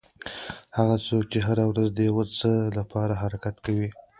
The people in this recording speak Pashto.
هغه څوک چې هره ورځ د یو څه لپاره حرکت کوي.